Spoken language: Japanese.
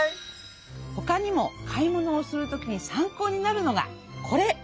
ほかにも買い物をするときに参考になるのがこれ。